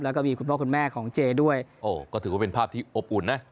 แล้วก็มีคุณพ่อคุณแม่ของเจด้วยโอ้ก็ถือว่าเป็นภาพที่อบอุ่นนะ